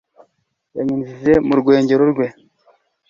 yanyinjije mu rwengero rwe